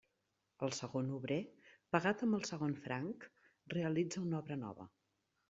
El segon obrer, pagat amb el segon franc, realitza una obra nova.